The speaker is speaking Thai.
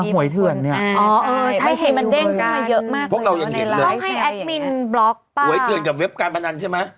หวยเถื่อนกับเว็บการปัญญาณใช่ไหม